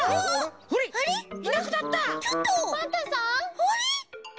あれ？